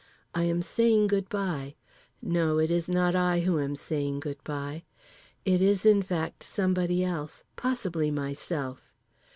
I am saying good bye. No, it is not I who am saying good bye. It is in fact somebody else, possibly myself.